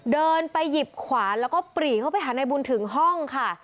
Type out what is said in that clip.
เดินไปหยิบขวานแล้วก็ปรีเข้าไปหานายบุญถึงห้องค่ะ